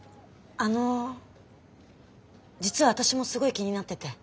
あの実は私もすごい気になってて。